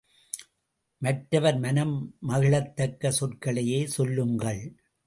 மற்றவர் மனம் மகிழத்தக்க சொற்களையே சொல்லுங்கள்!